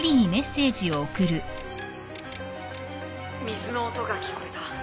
「水の音がきこえた。